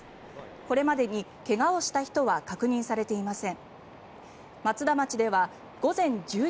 これまでに怪我をした人は確認されていません。